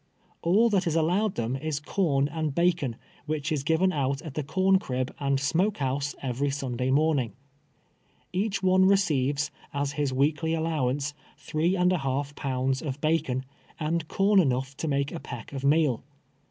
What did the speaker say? All that is allowed them is corn and b:ici»n, which is given out at the corncrib and smoke house every Sunday moi ning. Each one re ceives, as his weekly allowance, three and a half pounds of bacon, and corn enough to make a j^eck of meal.